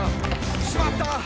「しまった！